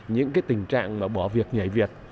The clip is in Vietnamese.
những cái tình trạng bỏ việc nhảy việc